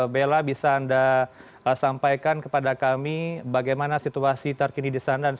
bella bisa anda sampaikan kepada kami bagaimana situasi terkini di sana